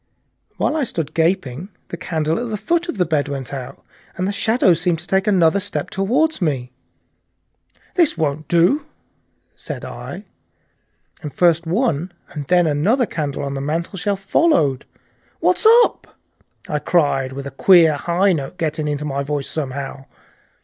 While I stood gaping the candle at the foot of the bed went out, and the shadows seemed to take another step toward me. "This won't do!" said I, and first one and then another candle on the mantelshelf followed. "What's up?" I cried, with a queer high note getting into my voice somehow.